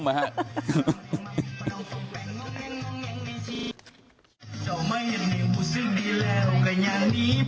มันพร่องไปเบิดแล้วคือใจ